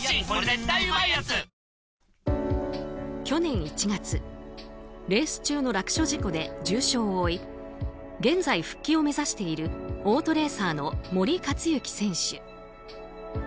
去年１月レース中の落車事故で重傷を負い現在復帰を目指しているオートレーサーの森且行選手。